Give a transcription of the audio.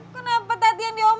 kenapa tati yang diomelin